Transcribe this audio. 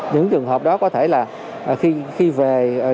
những trường hợp đó có thể là khi về